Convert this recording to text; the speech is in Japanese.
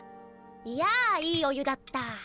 いやいいお湯だった。